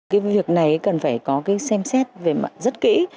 cái việc này cần phải có cái xem xét về mặt rất kỹ